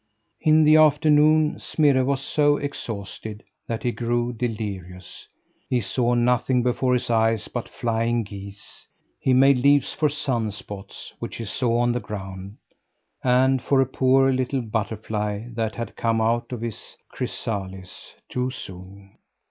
In the afternoon Smirre was so exhausted that he grew delirious. He saw nothing before his eyes but flying geese. He made leaps for sun spots which he saw on the ground; and for a poor little butterfly that had come out of his chrysalis too soon.